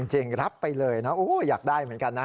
จริงรับไปเลยนะอยากได้เหมือนกันนะ